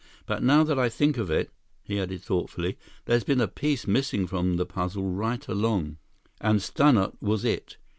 But now that I think of it," he added thoughtfully, "there's been a piece missing from the puzzle right along—and Stannart was it!"